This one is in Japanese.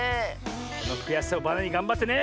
そのくやしさをバネにがんばってね！